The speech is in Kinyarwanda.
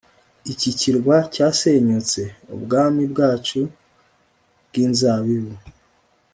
iki kirwa cyasenyutse. ubwami bwacu bwinzabibu